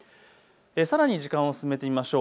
さらに時間を進めてみましょう。